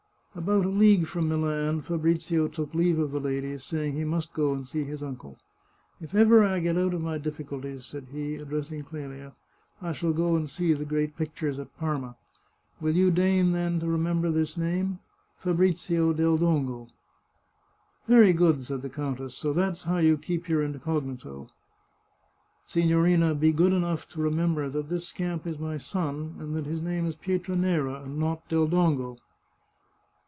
About a league from Milan, Fabrizio took leave of the ladies, saying he must go and see his uncle, " If ever I get out of my difficulties," said he, addressing Clelia, " I shall go and see the great pictures at Parma. Will you deign, then, to remember this name — Fabrizio del Dongo ?"" Very good !" said the countess. " So that's how you keep your incognito ! Signorina, be good enough to re member that this scamp is my son, and that his narrie is Pietranera, and not Del Dongo